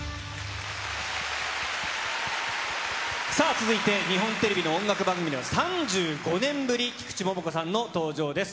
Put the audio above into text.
続いて日本テレビの音楽番組では３５年ぶり、菊池桃子さんの登場です。